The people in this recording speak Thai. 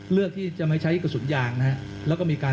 เลือกที่จะไม่ใช้กระสุนยางนะครับ